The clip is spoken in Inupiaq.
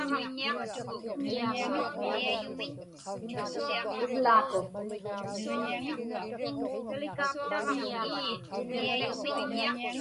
uvlaaku